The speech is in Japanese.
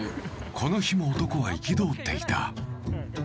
この日も、男は憤っていた。